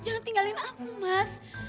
mas tinggalin aku mas